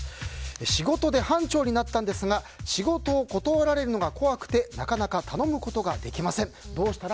仕事で班長になったんですが仕事を断られるのが怖くてなかなか頼むことができません。